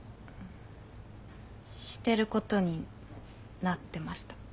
してることになってました。